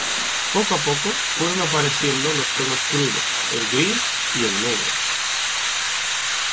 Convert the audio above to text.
Poco a poco fueron apareciendo los tonos crudos, el gris y el negro.